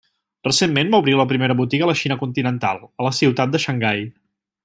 Recentment va obrir la primera botiga a la Xina continental, a la ciutat de Xangai.